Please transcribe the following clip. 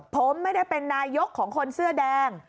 ผมไม่ได้เป็นนายกของคนเสื้อแดง